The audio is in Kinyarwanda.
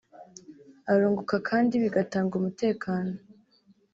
arunguka kandi bigatanga umutekano